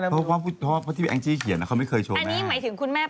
เพราะที่แองจี้เขียนเขาไม่เคยโชว์แม่